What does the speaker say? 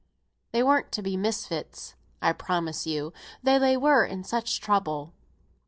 They weren't to be misfits I promise you, though they were in such trouble."